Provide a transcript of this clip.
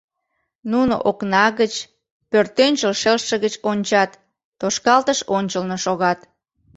Нуно окна гыч, пӧртӧнчыл шелше гыч ончат, тошкалтыш ончылно шогат.